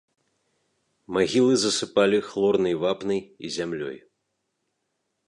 Магілы засыпалі хлорнай вапнай і зямлёй.